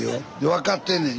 分かってんねん。